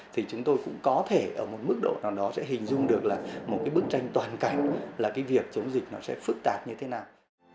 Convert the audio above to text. thì chúng tôi cũng có thể ở một mức độ nào đó sẽ hình dung được là một cái bức tranh toàn cảnh là cái việc chống dịch nó sẽ phức tạp như thế nào